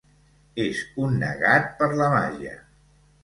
És un negat per la màgia.